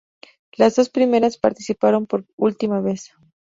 Las dos primeras participaron por última vez.